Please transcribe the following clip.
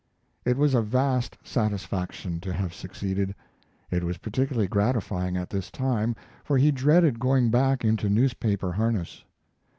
It was a vast satisfaction to have succeeded. It was particularly gratifying at this time, for he dreaded going back into newspaper harness.